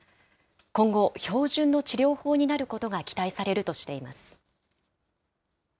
今後、標準の治療法になることが期待されるとしています。